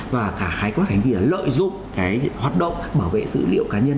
và cả khái quát hành vi là lợi dụng cái hoạt động bảo vệ dữ liệu cá nhân